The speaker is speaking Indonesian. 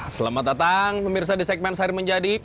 selamat datang pemirsa di segmen sehari menjadi